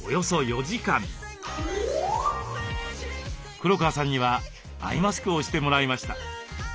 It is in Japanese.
黒川さんにはアイマスクをしてもらいました。